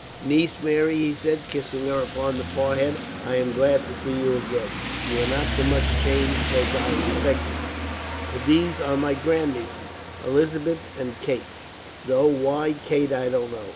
"Niece Mary," he said, kissing her upon the forehead, "I am glad to see you again. You are not so much changed as I expected. "And these are my grandnieces, Elizabeth and Kate, though why Kate I don't know.